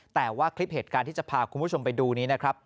แต่ว่าคลิปเหตุการณ์ที่จะพาคุณผู้ชมไปดูนี้นะครับ